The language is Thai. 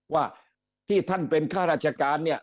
ว่าที่ท่านเป็นข้าราชการเนี่ย